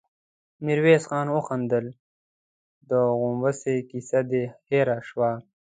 ميرويس خان وخندل: د غومبسې کيسه دې هېره شوه؟